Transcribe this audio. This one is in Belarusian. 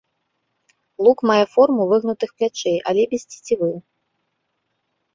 Лук мае форму выгнутых плячэй але без цецівы.